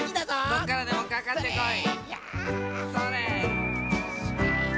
どっからでもかかってこい。